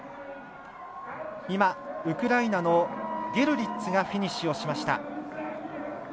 ウクライナのゲルリッツがフィニッシュしました。